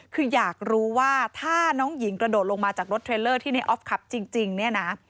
คืออยากรู้ว่าถ้าน้องหญิงกระโดดลงมาจากรถเทรลเลอร์ที่ในออฟขับจริงเนี่ยนะ